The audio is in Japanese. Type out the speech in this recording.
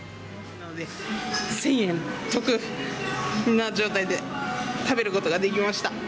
１０００円得な状態で、食べることができました。